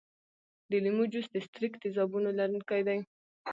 د لیمو جوس د ستریک تیزابونو لرونکی دی.